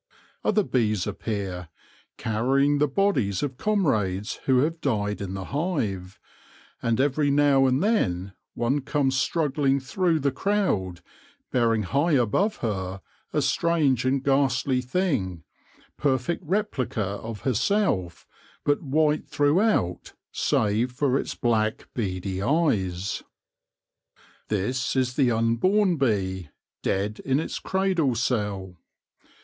Other bees appear, carry ing the bodies of comrades who have died in the hive ; and every now and then one comes struggling through the crowd, bearing high above her a strange and ghastly thing, perfect replica of herself, but white throughout, save for its black beady eyes. This is the unborn bee, dead in its cradle cell.